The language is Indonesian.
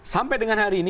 sampai dengan hari ini